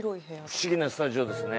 不思議なスタジオですね。